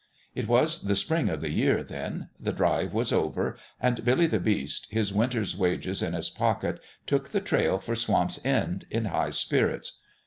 It was the spring of the year, then : the drive was over ; and Billy the Beast, his winter's wages in his pocket, took the trail for Swamp's End in high spirits.